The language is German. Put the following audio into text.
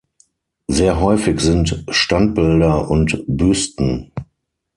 Sehr häufig sind Standbilder und Büsten.